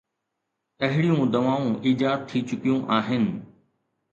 اهڙيون دوائون ايجاد ٿي چڪيون آهن.